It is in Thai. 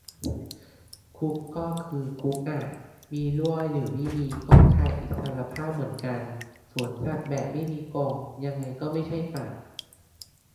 คุกก็คือคุกอ่ะ มีรั้วหรือไม่มี ก็ขาดอิสรภาพเหมือนกัน สวนสัตว์แบบไม่มีกรง ยังไงก็ไม่ใช่ป่า